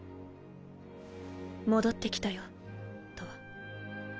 戻ってきたよとわ。